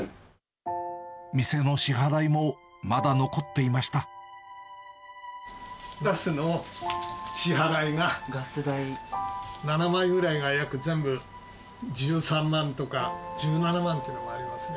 店の支払いもまだ残っていまガスの支払いが、７枚ぐらいが約全部１３万とか１７万とかありますね。